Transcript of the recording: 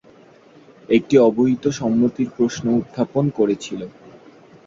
এটি অবহিত সম্মতির প্রশ্ন উত্থাপন করেছিল।